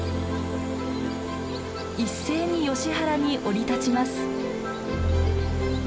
一斉にヨシ原に降り立ちます。